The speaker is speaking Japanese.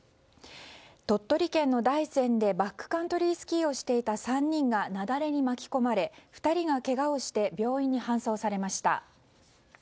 鳥取県の大山でバックカントリースキーをしていた３人が雪崩に巻き込まれ２人がけがをして病院に搬送されました。